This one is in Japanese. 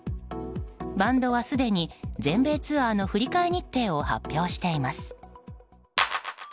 バンドは、すでに全米ツアーの振り替え日程を発表しています。